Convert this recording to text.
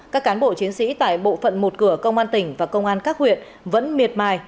các cán bộ chiến sĩ tại bộ phận một cửa công an tỉnh và công an các huyện vẫn miệt mài